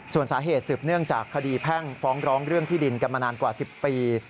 ส่วนสาเหตุสืบเนื่องจากคดีแพ่งฟ้องร้องเรื่องที่ดินกันมานานกว่า๑๐ปี